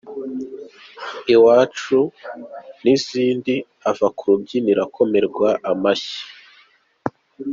"Iwacu" n’izindi, ava ku rubyiniro akomerwa amashyi.